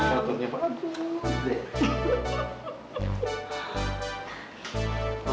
motornya pak agung